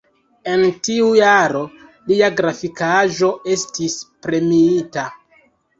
En tiu jaro lia grafikaĵo estis premiita.